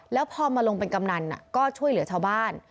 แล้วพอมาลงเป็นกำนันก็ช่วยเหลือชาวบ้าน